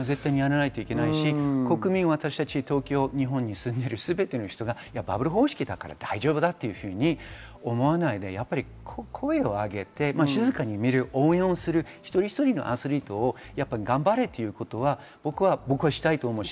絶対やらないといけないし、私たち国民、全ての人がバブル方式だから大丈夫だというふうに思わないように、声を上げて静かに見る、応援する、一人一人のアスリートを頑張れということはしたいですし。